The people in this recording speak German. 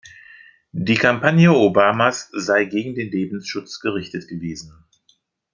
Die Kampagne Obamas sei gegen den Lebensschutz gerichtet gewesen.